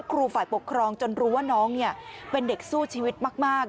ครูฝ่ายปกครองจนรู้ว่าน้องเป็นเด็กสู้ชีวิตมาก